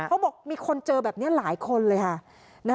เขาบอกมีคนเจอแบบนี้หลายคนเลยค่ะ